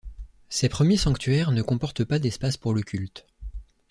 Ces premiers sanctuaires ne comportent pas d'espace pour le culte.